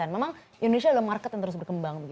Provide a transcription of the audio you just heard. memang indonesia adalah market yang terus berkembang